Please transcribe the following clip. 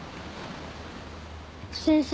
先生